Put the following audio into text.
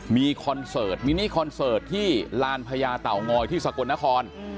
มีคอนเสิร์ตมินิคอนเสิร์ตที่ลานพญาเต่างอยที่สกลนคร